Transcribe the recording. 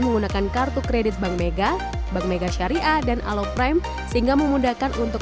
menggunakan kartu kredit bank mega bank mega syariah dan aloprime sehingga memudahkan untuk